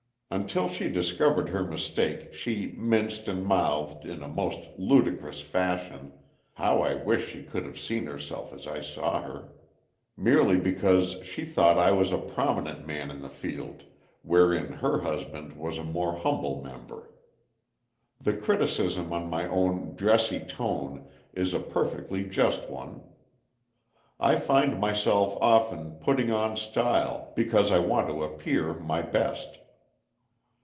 Until she discovered her mistake she "minced and mouthed" in a most ludicrous fashion (how I wish she could have seen herself as I saw her!) merely because she thought I was a prominent man in the field wherein her husband was a more humble member. The criticism on my own "dressy tone" is a perfectly just one. I find myself, often, "putting on style" because I want to appear "my best."